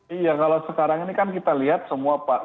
iya kalau sekarang ini kan kita lihat semua pak